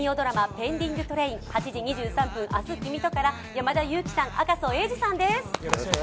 「ペンディングトレイン−８時２３分、明日君と」から山田裕貴さん、赤楚衛二さんです。